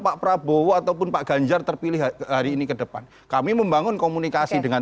pak prabowo ataupun pak ganjar terpilih hari ini ke depan kami membangun komunikasi dengan